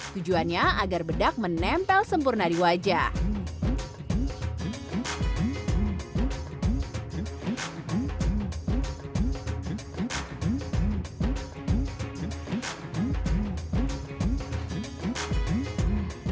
tujuannya agar bedak menempel sempurna di wajah